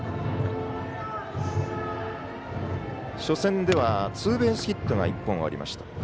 初戦ではツーベースヒットが１本ありました。